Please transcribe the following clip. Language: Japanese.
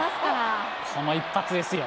この一発ですよ。